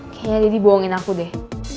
kayaknya daddy bohongin aku deh